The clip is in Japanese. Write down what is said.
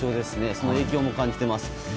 その影響も感じています。